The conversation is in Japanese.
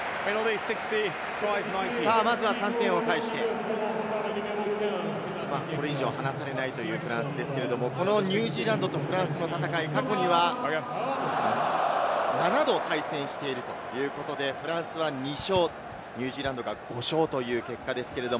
まずは３点を返して、これ以上離されないというフランスですけれど、ニュージーランドとフランスの戦い、過去には、７度対戦しているということで、フランスは２勝、ニュージーランドが５勝という結果ですけれど。